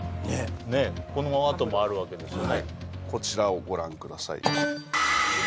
ねっこのあともあるわけですよねこちらをご覧ください